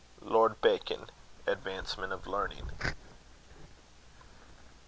LORD BACON. Advancement of Learning.